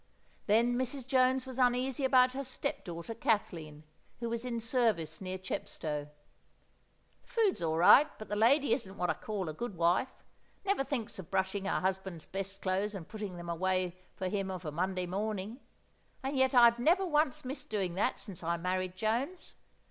Then Mrs. Jones was uneasy about her step daughter, Kathleen, who was in service near Chepstow. "The food's all right; but the lady isn't what I call a good wife—never thinks of brushing her husband's best clothes and putting them away for him of a Monday morning, and yet I've never once missed doing that since I married Jones.